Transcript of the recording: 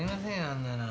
あんなの。